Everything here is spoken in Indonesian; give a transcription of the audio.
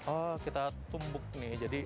oh kita tumbuk nih jadi